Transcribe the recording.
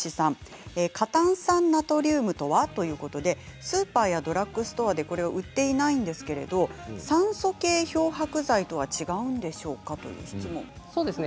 過炭酸ナトリウムとは？ということでスーパーやドラッグストアでこれを売っていないんですけれども酸素系漂白剤とは違うんでしょうかという質問です。